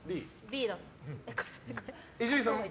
伊集院さんも？